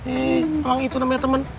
eh emang itu namanya temen